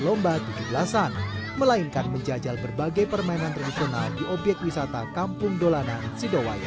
lomba tujuh belas an melainkan menjajal berbagai permainan tradisional di obyek wisata kampung dolanan sidowaya